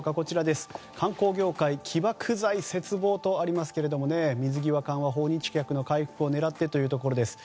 観光業界起爆剤切望とありますけれども水際緩和、訪日客回復狙ってというところです。